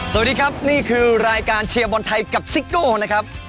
สวัสดีครับนี่คือรายการเชียร์บอลไทยกับซิโก้นะครับ